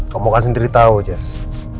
kamu kan sendiri tahu jazz